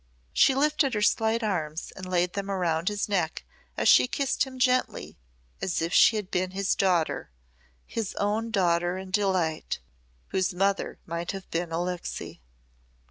She lifted her slight arms and laid them around his neck as she kissed him gently, as if she had been his daughter his own daughter and delight whose mother might have been Alixe.